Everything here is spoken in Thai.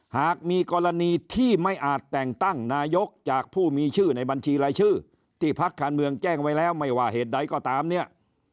หากมีกรณีที่ไม่อาจแต่งตั้งนายกจากผู้มีชื่อในบัญชีรายชื่อที่พักการเมืองแจ้งไว้แล้วไม่ว่าเหตุใดก็ตามเนี่ย